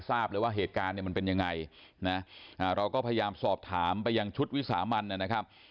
ทราบเลยว่าเหตุการณ์เนี่ยมันเป็นยังไงนะเราก็พยายามสอบถามไปยังชุดวิสามันนะครับ